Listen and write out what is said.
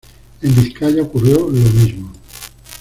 En Vizcaya ocurrió lo mismo.